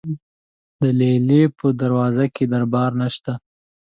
د لیلې په دروازه کې دربان نشته.